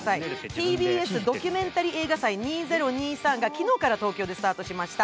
ＴＢＳドキュメンタリー映画祭２０２３が昨日から東京でスタートしました。